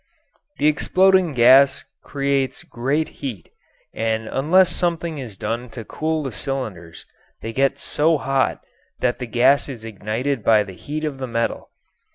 The exploding gas creates great heat, and unless something is done to cool the cylinders they get so hot that the gas is ignited by the heat of the metal.